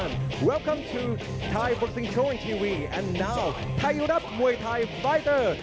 และตอนนี้ไทยรัฐมวยไทยฟไตเตอร์